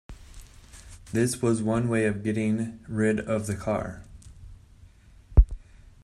This was one way of getting rid of the car.